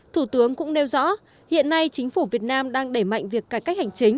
thủ tướng cũng nêu rõ hiện nay chính phủ việt nam đang đẩy mạnh việc cải cách hành chính